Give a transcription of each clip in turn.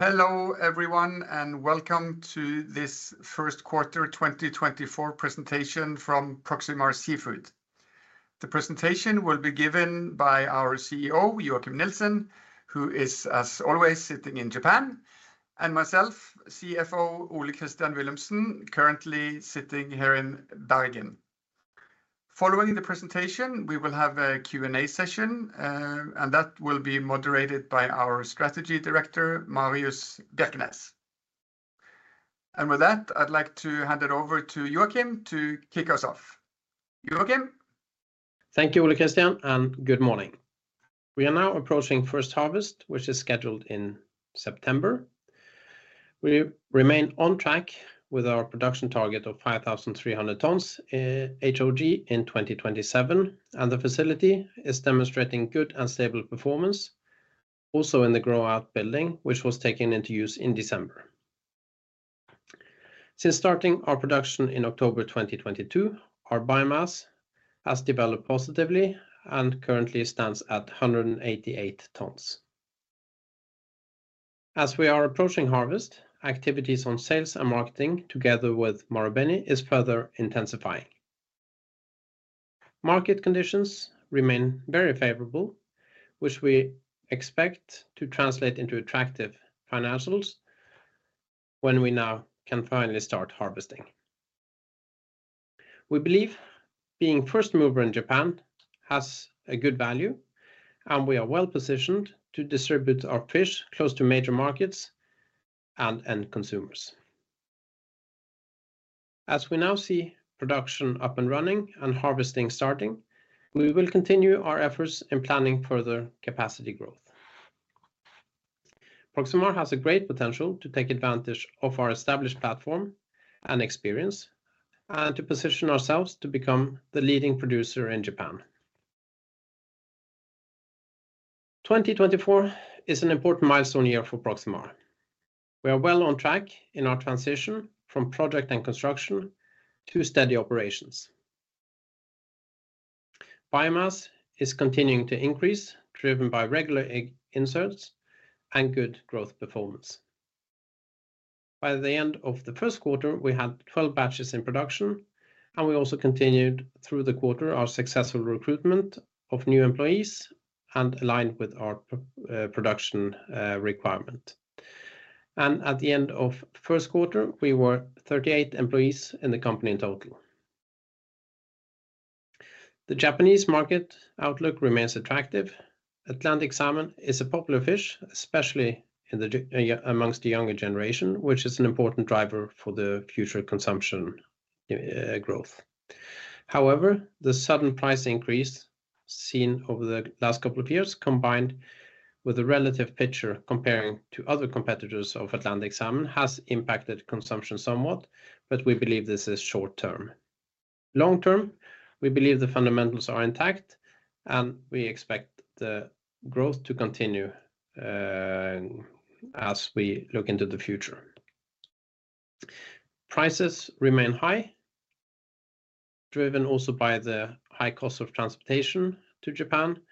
Hello, everyone, and welcome to this first quarter 2024 presentation from Proximar Seafood. The presentation will be given by our CEO, Joachim Nielsen, who is, as always, sitting in Japan, and myself, CFO Ole Christian Willumsen, currently sitting here in Bergen. Following the presentation, we will have a Q&A session, and that will be moderated by our strategy director, Marius Birkenes. With that, I'd like to hand it over to Joachim to kick us off. Joachim? Thank you, Ole Christian, and good morning. We are now approaching first harvest, which is scheduled in September. We remain on track with our production target of 5,300 tons, HOG in 2027, and the facility is demonstrating good and stable performance, also in the grow-out building, which was taken into use in December. Since starting our production in October 2022, our biomass has developed positively and currently stands at 188 tons. As we are approaching harvest, activities on sales and marketing, together with Marubeni, is further intensifying. Market conditions remain very favorable, which we expect to translate into attractive financials when we now can finally start harvesting. We believe being first mover in Japan has a good value, and we are well-positioned to distribute our fish close to major markets and end consumers. As we now see production up and running and harvesting starting, we will continue our efforts in planning further capacity growth. Proximar has a great potential to take advantage of our established platform and experience and to position ourselves to become the leading producer in Japan. 2024 is an important milestone year for Proximar. We are well on track in our transition from project and construction to steady operations. Biomass is continuing to increase, driven by regular egg inserts and good growth performance. By the end of the first quarter, we had 12 batches in production, and we also continued through the quarter our successful recruitment of new employees and aligned with our production requirement. At the end of first quarter, we were 38 employees in the company in total. The Japanese market outlook remains attractive. Atlantic salmon is a popular fish, especially among the younger generation, which is an important driver for the future consumption growth. However, the sudden price increase seen over the last couple of years, combined with the relative picture comparing to other competitors of Atlantic salmon, has impacted consumption somewhat, but we believe this is short term. Long term, we believe the fundamentals are intact, and we expect the growth to continue as we look into the future. Prices remain high, driven also by the high cost of transportation to Japan. These,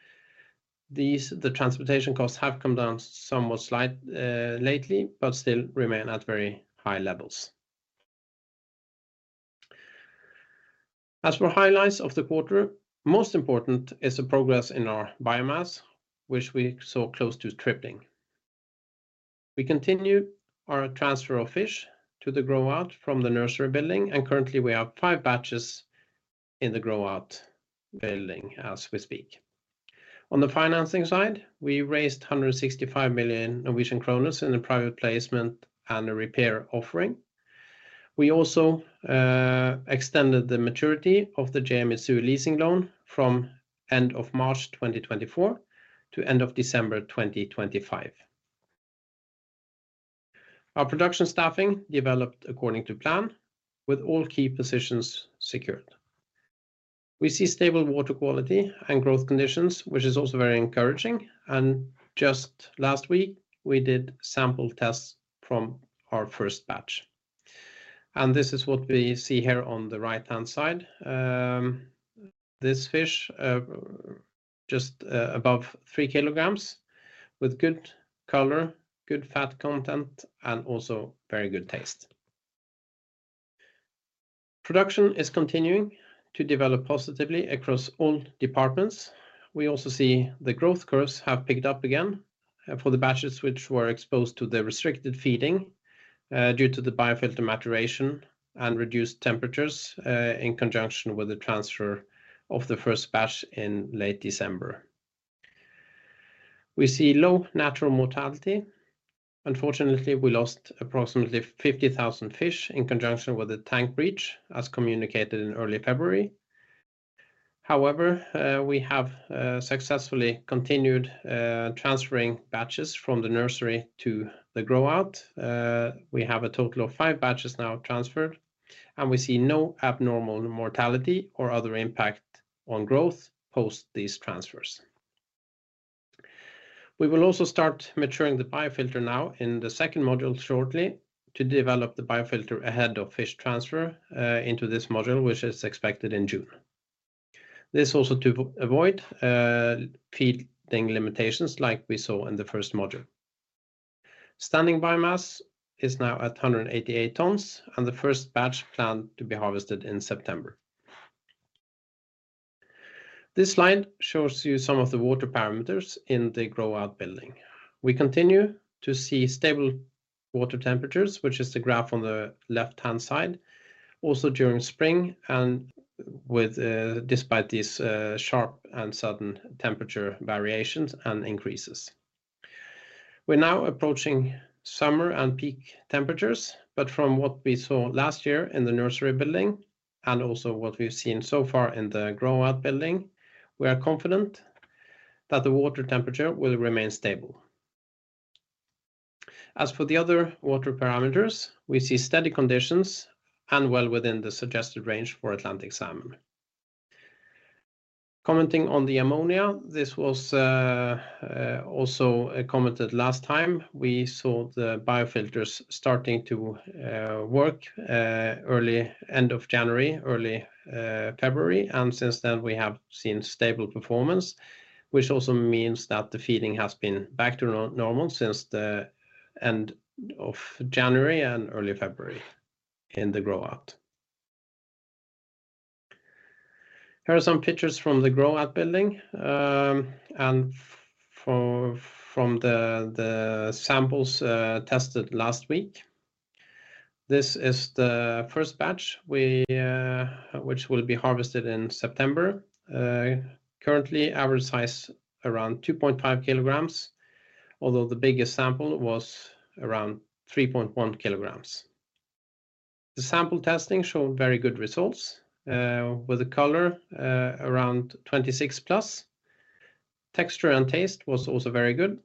the transportation costs, have come down somewhat slight lately, but still remain at very high levels. As for highlights of the quarter, most important is the progress in our biomass, which we saw close to tripling. We continued our transfer of fish to the grow-out from the nursery building, and currently we have five batches in the grow-out building as we speak. On the financing side, we raised 165 million Norwegian kroner in the private placement and a repair offering. We also extended the maturity of the JA Mitsui Leasing loan from end of March 2024 to end of December 2025. Our production staffing developed according to plan, with all key positions secured. We see stable water quality and growth conditions, which is also very encouraging, and just last week, we did sample tests from our first batch. This is what we see here on the right-hand side. This fish just above three kilograms, with good color, good fat content, and also very good taste. Production is continuing to develop positively across all departments. We also see the growth curves have picked up again for the batches which were exposed to the restricted feeding due to the biofilter maturation and reduced temperatures in conjunction with the transfer of the first batch in late December. We see low natural mortality. Unfortunately, we lost approximately 50,000 fish in conjunction with the tank breach, as communicated in early February. However, we have successfully continued transferring batches from the nursery to the grow-out. We have a total of five batches now transferred, and we see no abnormal mortality or other impact on growth post these transfers. We will also start maturing the biofilter now in the second module shortly to develop the biofilter ahead of fish transfer into this module, which is expected in June. This also to avoid feeding limitations like we saw in the first module. Standing biomass is now at 188 tons, and the first batch planned to be harvested in September. This slide shows you some of the water parameters in the grow-out building. We continue to see stable water temperatures, which is the graph on the left-hand side, also during spring and with, despite these, sharp and sudden temperature variations and increases. We're now approaching summer and peak temperatures, but from what we saw last year in the nursery building, and also what we've seen so far in the grow-out building, we are confident that the water temperature will remain stable. As for the other water parameters, we see steady conditions and well within the suggested range for Atlantic salmon. Commenting on the ammonia, this was, also commented last time. We saw the biofilters starting to work early end of January, early February, and since then, we have seen stable performance, which also means that the feeding has been back to normal since the end of January and early February in the grow-out. Here are some pictures from the grow-out building, and from the samples tested last week. This is the first batch which will be harvested in September. Currently, average size around 2.5 kg, although the biggest sample was around 3.1 kg. The sample testing showed very good results, with the color around 26+. Texture and taste was also very good,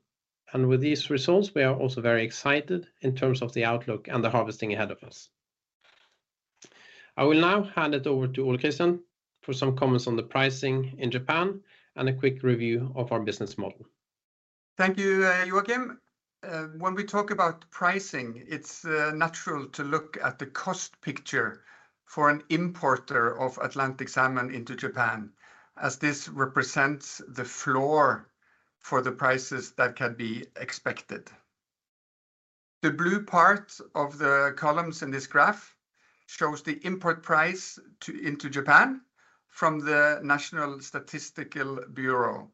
and with these results, we are also very excited in terms of the outlook and the harvesting ahead of us. I will now hand it over to Ole Christian for some comments on the pricing in Japan and a quick review of our business model. Thank you, Joachim. When we talk about pricing, it's natural to look at the cost picture for an importer of Atlantic salmon into Japan, as this represents the floor for the prices that can be expected. The blue part of the columns in this graph shows the import price into Japan from the National Statistical Bureau.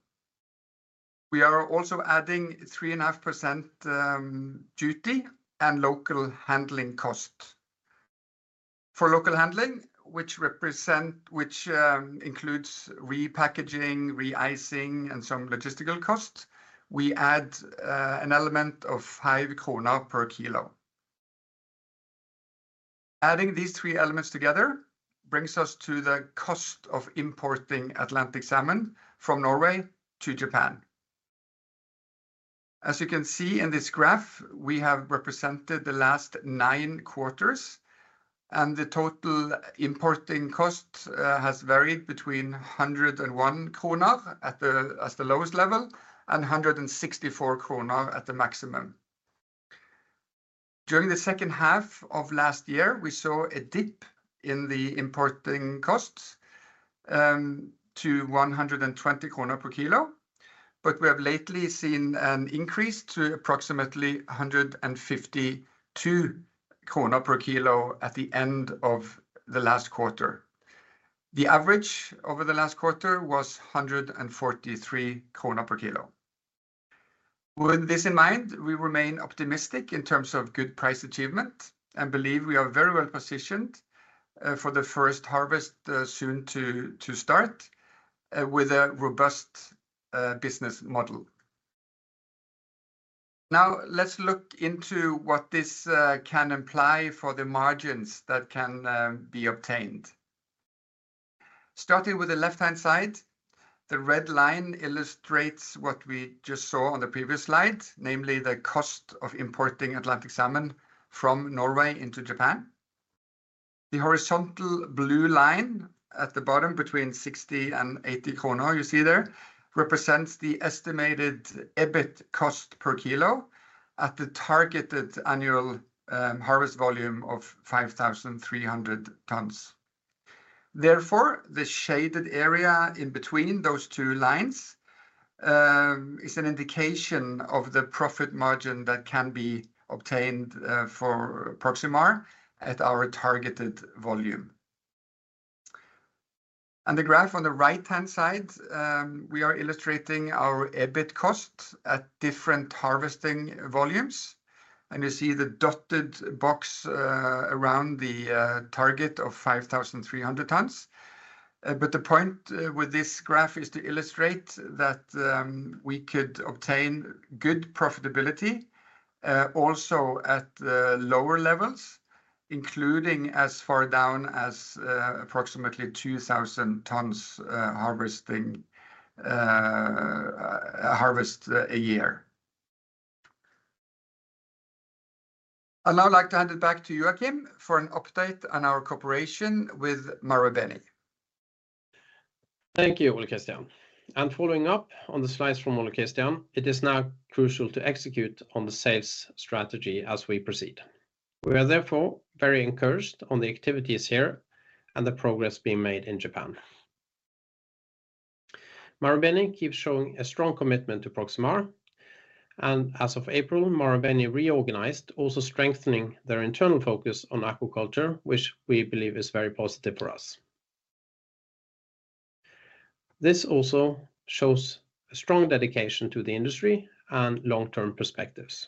We are also adding 3.5% duty and local handling cost. For local handling, which represent, which includes repackaging, re-icing, and some logistical costs, we add an element of 5 krone per kilo. Adding these three elements together brings us to the cost of importing Atlantic salmon from Norway to Japan. As you can see in this graph, we have represented the last nine quarters, and the total importing cost has varied between 101 kroner at the lowest level, and 164 kroner at the maximum. During the second half of last year, we saw a dip in the importing costs to 120 kroner per kilo, but we have lately seen an increase to approximately 152 kroner per kilo at the end of the last quarter. The average over the last quarter was 143 per kilo. With this in mind, we remain optimistic in terms of good price achievement and believe we are very well positioned for the first harvest soon to start with a robust business model. Now, let's look into what this can imply for the margins that can be obtained. Starting with the left-hand side, the red line illustrates what we just saw on the previous slide, namely, the cost of importing Atlantic salmon from Norway into Japan. The horizontal blue line at the bottom, between 60-80 kroner you see there, represents the estimated EBIT cost per kilo at the targeted annual harvest volume of 5,300 tons. Therefore, the shaded area in between those two lines is an indication of the profit margin that can be obtained for Proximar at our targeted volume. On the graph on the right-hand side, we are illustrating our EBIT cost at different harvesting volumes, and you see the dotted box around the target of 5,300 tons. But the point with this graph is to illustrate that we could obtain good profitability also at the lower levels, including as far down as approximately 2,000 tons harvest a year. I'd now like to hand it back to Joachim for an update on our cooperation with Marubeni. Thank you, Ole Christian. Following up on the slides from Ole Christian, it is now crucial to execute on the sales strategy as we proceed. We are therefore very encouraged on the activities here and the progress being made in Japan. Marubeni keeps showing a strong commitment to Proximar, and as of April, Marubeni reorganized, also strengthening their internal focus on aquaculture, which we believe is very positive for us. This also shows a strong dedication to the industry and long-term perspectives.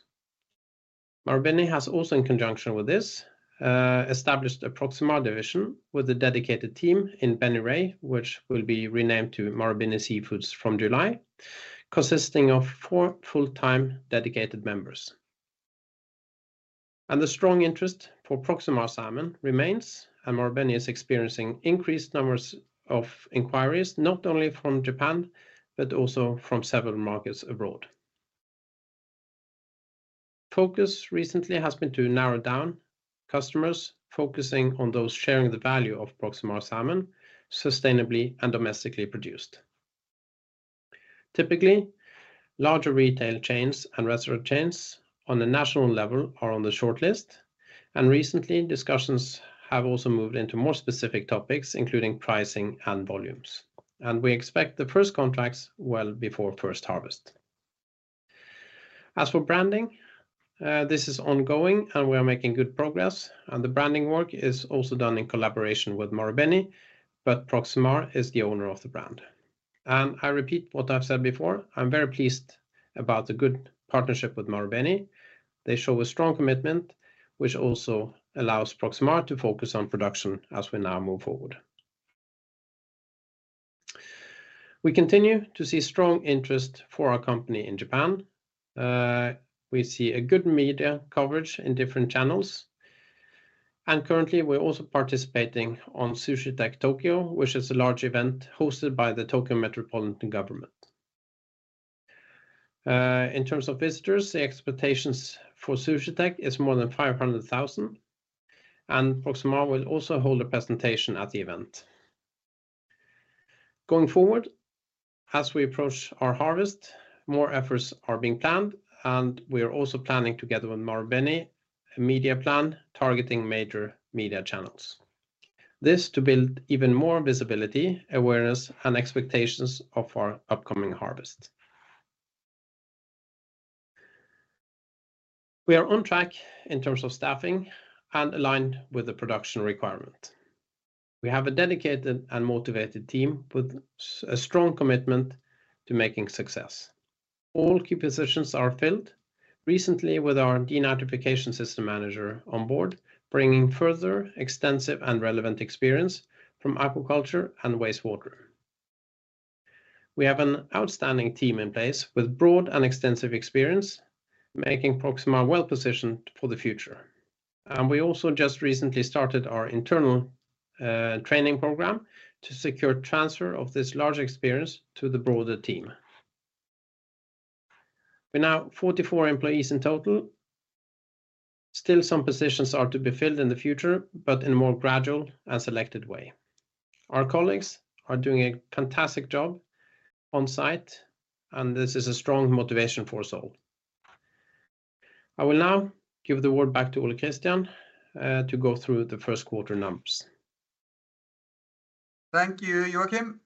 Marubeni has also, in conjunction with this, established a Proximar division with a dedicated team in Benirei, which will be renamed to Marubeni Seafoods from July, consisting of four full-time dedicated members. The strong interest for Proximar salmon remains, and Marubeni is experiencing increased numbers of inquiries, not only from Japan, but also from several markets abroad. Focus recently has been to narrow down customers, focusing on those sharing the value of Proximar salmon, sustainably and domestically produced. Typically, larger retail chains and restaurant chains on the national level are on the shortlist, and recently, discussions have also moved into more specific topics, including pricing and volumes, and we expect the first contracts well before first harvest. As for branding, this is ongoing, and we are making good progress, and the branding work is also done in collaboration with Marubeni, but Proximar is the owner of the brand. And I repeat what I've said before, I'm very pleased about the good partnership with Marubeni. They show a strong commitment, which also allows Proximar to focus on production as we now move forward. We continue to see strong interest for our company in Japan. We see a good media coverage in different channels, and currently, we're also participating on SusHi Tech Tokyo, which is a large event hosted by the Tokyo Metropolitan Government. In terms of visitors, the expectations for SusHi Tech is more than 500,000, and Proximar will also hold a presentation at the event. Going forward, as we approach our harvest, more efforts are being planned, and we are also planning together with Marubeni, a media plan targeting major media channels. This to build even more visibility, awareness, and expectations of our upcoming harvest. We are on track in terms of staffing and aligned with the production requirement. We have a dedicated and motivated team with a strong commitment to making success. All key positions are filled, recently with our denitrification system manager on board, bringing further extensive and relevant experience from aquaculture and wastewater. We have an outstanding team in place with broad and extensive experience, making Proximar well-positioned for the future. We also just recently started our internal training program to secure transfer of this large experience to the broader team. We're now 44 employees in total. Still, some positions are to be filled in the future, but in a more gradual and selected way. Our colleagues are doing a fantastic job on site, and this is a strong motivation for us all. I will now give the word back to Ole Christian to go through the first quarter numbers. Thank you, Joachim.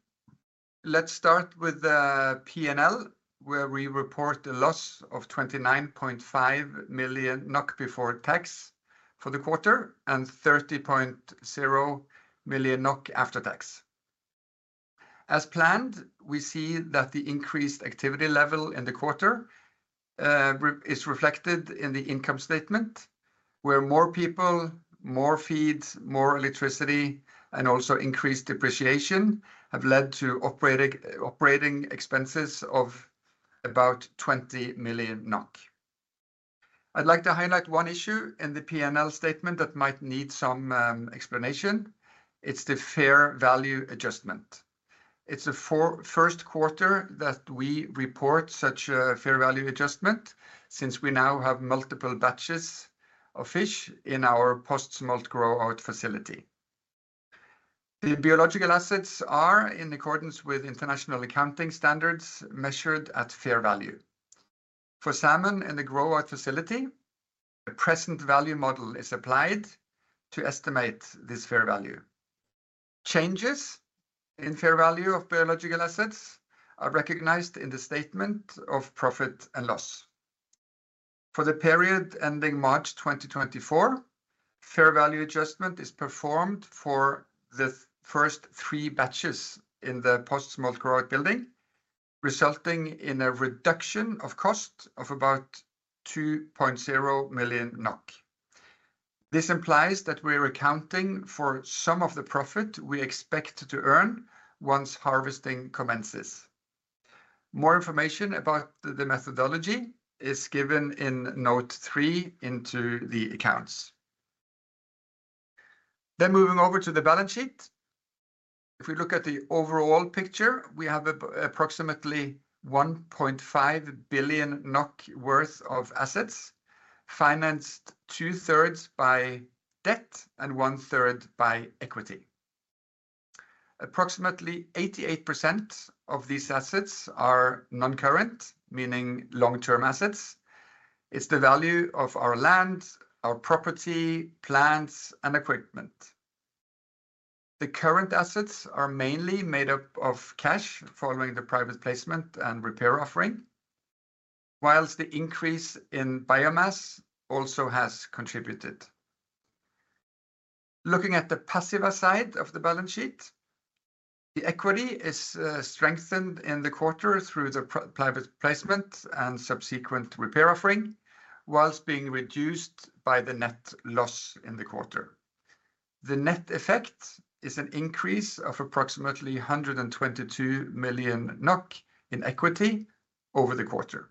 Let's start with the P&L, where we report a loss of 29.5 million NOK before tax for the quarter and 30.0 million NOK after tax. As planned, we see that the increased activity level in the quarter is reflected in the income statement, where more people, more feeds, more electricity, and also increased depreciation, have led to operating expenses of about 20 million NOK. I'd like to highlight one issue in the P&L statement that might need some explanation. It's the fair value adjustment. It's the first quarter that we report such a fair value adjustment since we now have multiple batches of fish in our post-smolt grow-out facility. The biological assets are, in accordance with international accounting standards, measured at fair value. For salmon in the grow out facility, a present value model is applied to estimate this fair value. Changes in fair value of biological assets are recognized in the statement of profit and loss. For the period ending March 2024, fair value adjustment is performed for the first three batches in the post-smolt grow out building, resulting in a reduction of cost of about 2.0 million NOK. This implies that we're accounting for some of the profit we expect to earn once harvesting commences. More information about the methodology is given in note three into the accounts. Then moving over to the balance sheet. If we look at the overall picture, we have approximately 1.5 billion NOK worth of assets, financed two thirds by debt and one third by equity. Approximately 88% of these assets are non-current, meaning long-term assets. It's the value of our land, our property, plants, and equipment. The current assets are mainly made up of cash following the private placement and rights offering, while the increase in biomass also has contributed. Looking at the liabilities side of the balance sheet, the equity is strengthened in the quarter through the private placement and subsequent rights offering, while being reduced by the net loss in the quarter. The net effect is an increase of approximately 122 million NOK in equity over the quarter.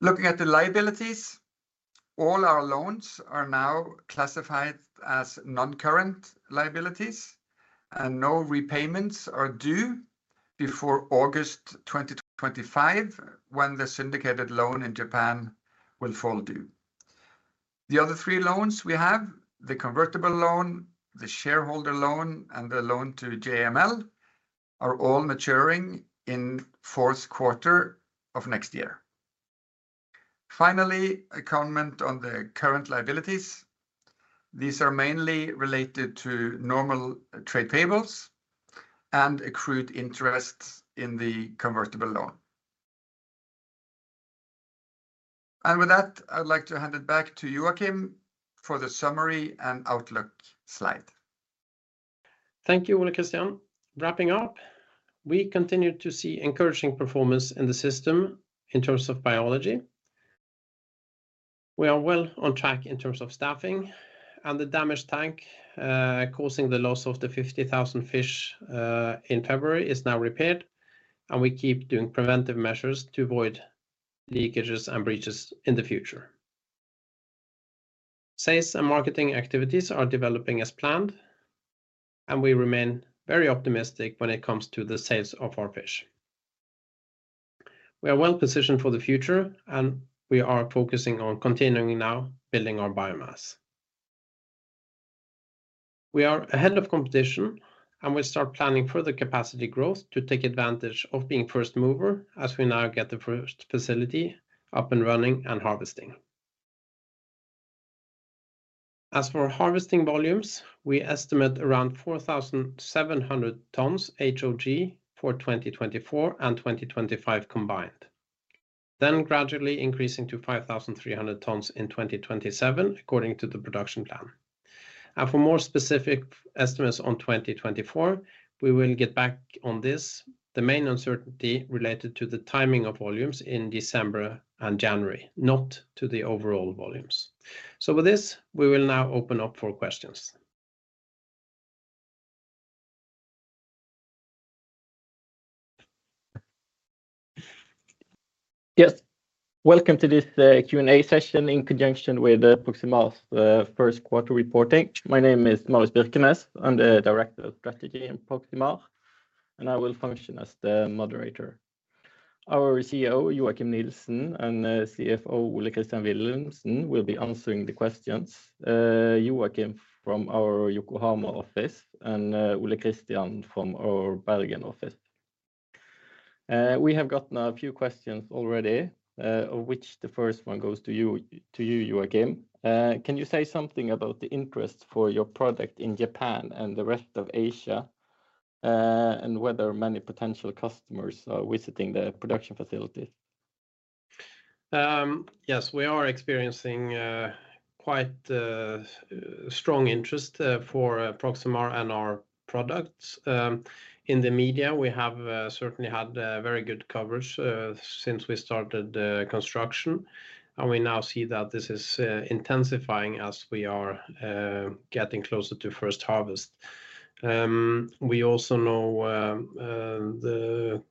Looking at the liabilities, all our loans are now classified as non-current liabilities, and no repayments are due before August 2025, when the syndicated loan in Japan will fall due. The other three loans we have, the convertible loan, the shareholder loan, and the loan to JML, are all maturing in fourth quarter of next year. Finally, a comment on the current liabilities. These are mainly related to normal trade payables and accrued interest in the convertible loan. And with that, I'd like to hand it back to Joachim for the summary and outlook slide. Thank you, Ole Christian. Wrapping up, we continue to see encouraging performance in the system in terms of biology. We are well on track in terms of staffing, and the damaged tank causing the loss of the 50,000 fish in February is now repaired, and we keep doing preventive measures to avoid leakages and breaches in the future. Sales and marketing activities are developing as planned, and we remain very optimistic when it comes to the sales of our fish. We are well positioned for the future, and we are focusing on continuing now building our biomass. We are ahead of competition, and we start planning further capacity growth to take advantage of being first mover as we now get the first facility up and running and harvesting. As for harvesting volumes, we estimate around 4,700 tons HOG for 2024 and 2025 combined, then gradually increasing to 5,300 tons in 2027, according to the production plan. For more specific estimates on 2024, we will get back on this, the main uncertainty related to the timing of volumes in December and January, not to the overall volumes. With this, we will now open up for questions. Yes, welcome to this Q&A session in conjunction with Proximar's first quarter reporting. My name is Marius Birkenes. I'm the Director of Strategy in Proximar, and I will function as the moderator. Our CEO, Joachim Nielsen, and CFO, Ole Christian Willumsen, will be answering the questions. Joachim from our Yokohama office and Ole Christian from our Bergen office. We have gotten a few questions already, of which the first one goes to you, to you, Joachim. Can you say something about the interest for your product in Japan and the rest of Asia, and whether many potential customers are visiting the production facility? Yes, we are experiencing quite strong interest for Proximar and our products. In the media, we have certainly had very good coverage since we started construction, and we now see that this is intensifying as we are getting closer to first harvest. We also know the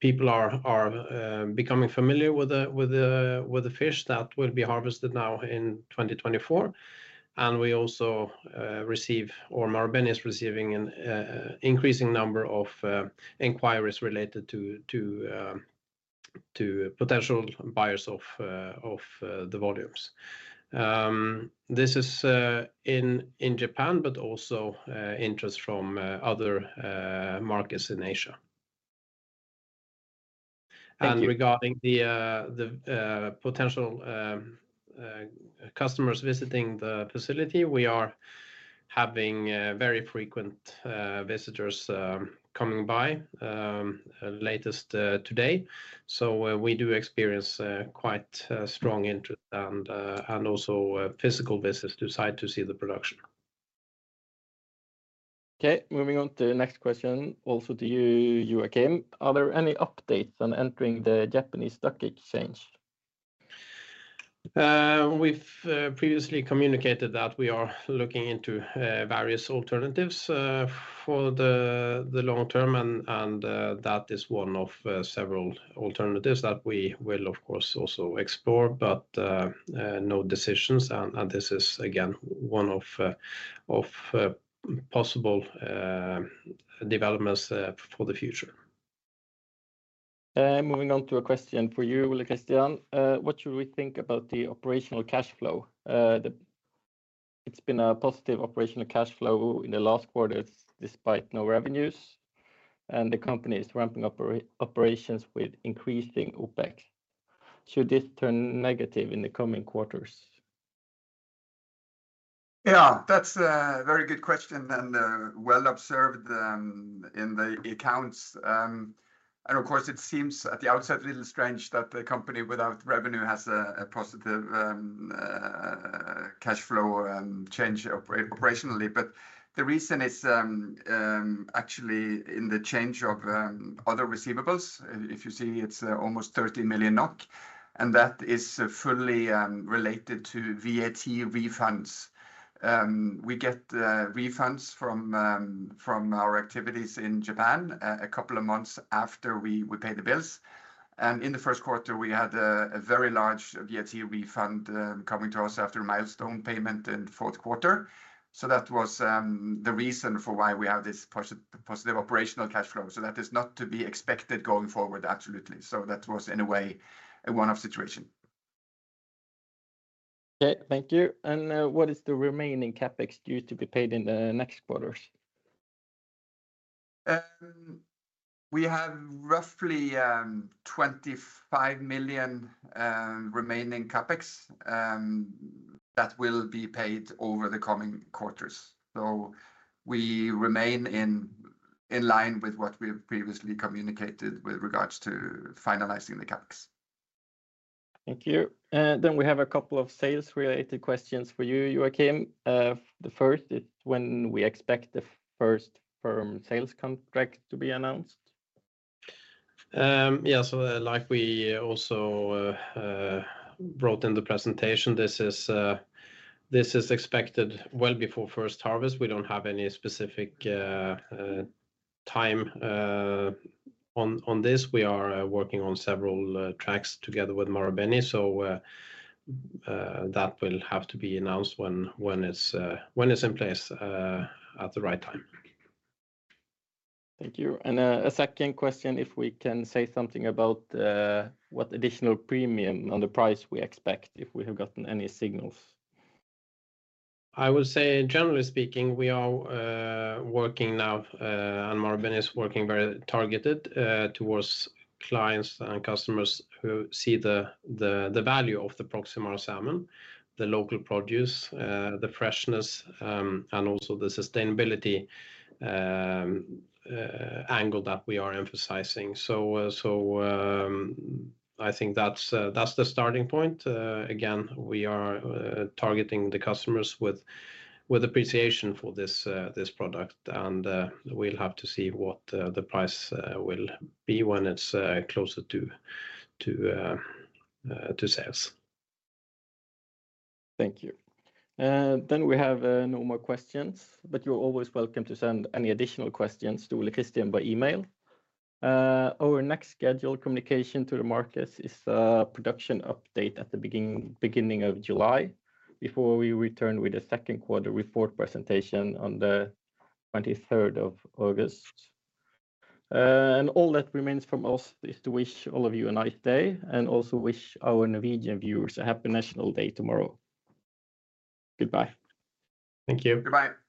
people are becoming familiar with the fish that will be harvested now in 2024, and we also receive, or Marubeni is receiving an increasing number of inquiries related to potential buyers of the volumes. This is in Japan, but also interest from other markets in Asia. Thank you. Regarding the potential customers visiting the facility, we are having very frequent visitors coming by, latest today. We do experience quite strong interest and also physical visits to site to see the production. Okay, moving on to the next question, also to you, Joachim. Are there any updates on entering the Japanese stock exchange? We've previously communicated that we are looking into various alternatives for the long term, and that is one of several alternatives that we will, of course, also explore, but no decisions, and this is, again, one of possible developments for the future. Moving on to a question for you, Ole Christian. What should we think about the operational cash flow? It's been a positive operational cash flow in the last quarters, despite no revenues, and the company is ramping operations with increasing OpEx. Should this turn negative in the coming quarters? Yeah, that's a very good question, and, well observed, in the accounts. And of course, it seems at the outset, a little strange that the company without revenue has a positive cash flow change operationally. But the reason is, actually, in the change of other receivables. If you see, it's almost 30 million NOK, and that is fully related to VAT refunds. We get refunds from our activities in Japan a couple of months after we pay the bills. And in the first quarter, we had a very large VAT refund coming to us after a milestone payment in the fourth quarter. So that was the reason for why we have this positive operational cash flow. So that is not to be expected going forward, absolutely. That was, in a way, a one-off situation. Okay, thank you. What is the remaining CapEx due to be paid in the next quarters? We have roughly 25 million remaining CapEx that will be paid over the coming quarters. We remain in line with what we have previously communicated with regards to finalizing the CapEx. Thank you. We have a couple of sales-related questions for you, Joachim. The first is, when we expect the first firm sales contract to be announced? Yeah, so like we also brought in the presentation. This is expected well before first harvest. We don't have any specific time on this. We are working on several tracks together with Marubeni, so that will have to be announced when it's in place at the right time. Thank you. A second question, if we can say something about what additional premium on the price we expect, if we have gotten any signals. I would say, generally speaking, we are working now, and Marubeni is working very targeted towards clients and customers who see the value of the Proximar salmon, the local produce, the freshness, and also the sustainability angle that we are emphasizing. So, I think that's the starting point. Again, we are targeting the customers with appreciation for this product, and we'll have to see what the price will be when it's closer to sales. Thank you. Then we have no more questions, but you're always welcome to send any additional questions to Ole Christian by email. Our next scheduled communication to the market is a production update at the beginning of July, before we return with the second quarter report presentation on August 23. And all that remains from us is to wish all of you a nice day, and also wish our Norwegian viewers a happy National Day tomorrow. Goodbye. Thank you. Goodbye.